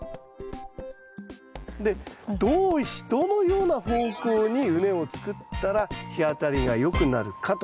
でどのような方向に畝を作ったら日当たりがよくなるかと。